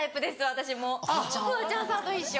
私もフワちゃんさんと一緒。